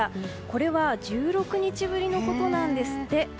これは１６日ぶりのことなんですって。